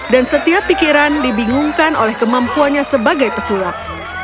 dan setiap pikiran dibingungkan oleh kemampuannya sebagai pesulap